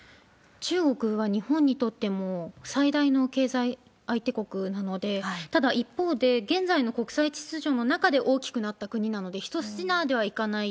中国は日本にとっても最大の経済相手国なので、ただ、一方で現在の国際秩序の中で大きくなった国なので、一筋縄ではいかない。